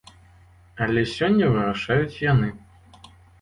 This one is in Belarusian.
Але сёння вырашаюць яны.